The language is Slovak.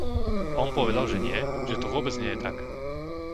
On povedal, že nie, že to vôbec nie je tak.